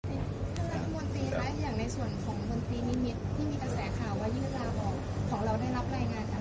คุณธรรมมติคะอย่างในส่วนของมติมิมิตร